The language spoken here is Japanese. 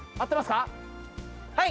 はい。